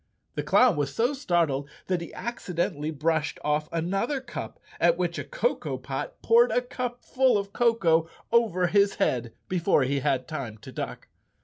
The clown was so startled that he accidentally brushed 178 Chapter Thirteen off another cup, at which a cocoa pot poured a cup full of cocoa over his head before he had time to duck.